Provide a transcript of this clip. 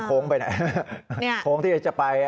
ไปไหนจะไป